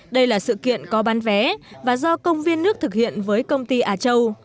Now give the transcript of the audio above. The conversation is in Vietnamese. đây là sự kiện có bán vé và do công viên nước thực hiện với công ty á châu